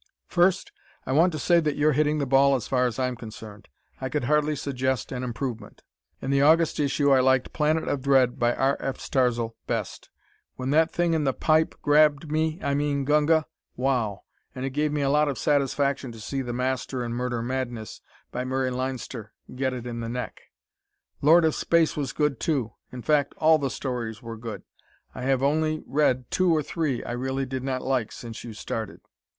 First, I want to say that you're hitting the ball as far as I'm concerned. I could hardly suggest an improvement. In the August issue I liked "Planet of Dread," by R. F. Starzl, best. When that thing in the "pipe" grabbed me, I mean Gunga, wow! And it gave me a lot of satisfaction to see the Master in "Murder Madness," by Murray Leinster, get it in the neck. "Lord of Space" was good, too. In fact all the stories were good. I have only read two or three I really did not like since you started.